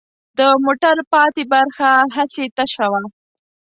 د موټر پاتې برخه هسې تشه وه.